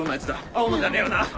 青野じゃねえよな？